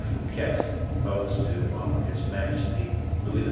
Fouquet proposed to offer his majesty Louis XIV.